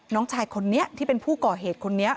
น้องชายคนนี้ที่เป็นผู้ก่อเหตุคนนี้